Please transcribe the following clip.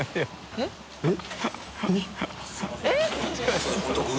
えっ？